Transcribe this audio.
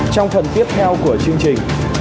trong phần tiếp theo của chương trình